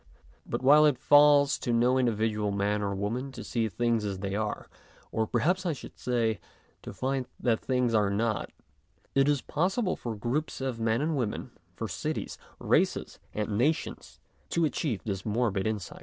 But, while it falls to no individual man or woman to see things as they are, or perhaps I should say, to find that things are not, it is possible for groups of men and women, for cities, races, and nations, to achieve this morbid insight.